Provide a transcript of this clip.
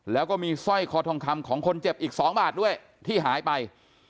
แล้วก็มีสร้อยคอทองคำของคนเจ็บอีก๒บาทด้วยที่หายไป